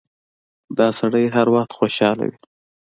دا سړی هر وخت خوشاله وي.